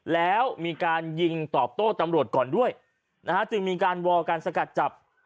แล้วมีการยิงตอบโต้ตำรวจก่อนด้วยนะฮะจึงมีการวอลการสกัดจับ